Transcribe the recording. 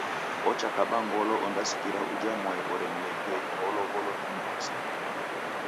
Ocha kaba ngolo ondasikira uja mwai oremleghieghe walow’olo ni mndu mzima.